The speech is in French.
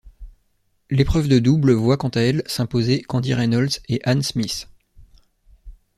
L'épreuve de double voit quant à elle s'imposer Candy Reynolds et Anne Smith.